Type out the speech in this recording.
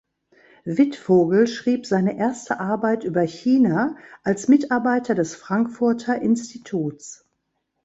Wittfogel schrieb seine erste Arbeit über China als Mitarbeiter des Frankfurter Instituts.